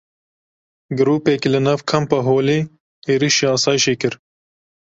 Grûpekê li nav kampa Holê êrişî asayişê kir.